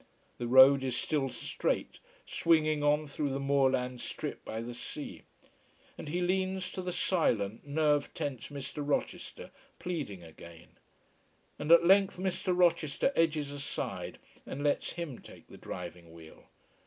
The road is still straight, swinging on through the moorland strip by the sea. And he leans to the silent, nerve tense Mr. Rochester, pleading again. And at length Mr. Rochester edges aside, and lets him take the driving wheel.